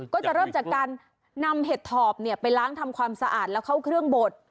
ก็จะเริ่มจากการนำเห็ดถอบไปล้างทำความสะอาดแล้วเข้าเครื่องบด